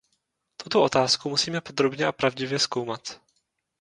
Tuto otázku musíme podrobně a pravdivě zkoumat.